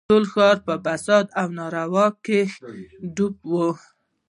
ټول ښار په فساد او نارواوو کښې ډوب و.